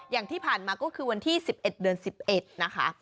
อย่างที่ผ่านมาก็คือวันที่๑๑เดือน๑๑นะคะ